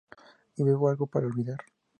Y bebo algo para olvidar.